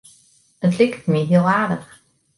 It liket my hiel aardich.